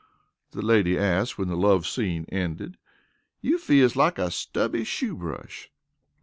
the lady asked when the love scene ended. "You feels like a stubby shoe brush."